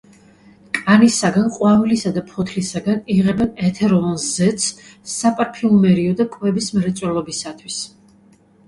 კანისაგან, ყვავილისა და ფოთლისაგან იღებენ ეთეროვან ზეთს საპარფიუმერიო და კვების მრეწველობისათვის.